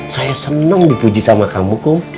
saya senang dipuji sama kamu kum